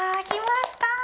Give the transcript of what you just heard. きました！